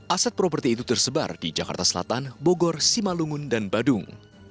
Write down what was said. aset properti itu tersebar di jakarta selatan bogor simalungun dan badung